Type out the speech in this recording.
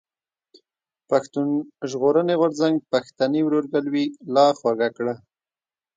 پښتون ژغورني غورځنګ پښتني ورورګلوي لا خوږه کړه.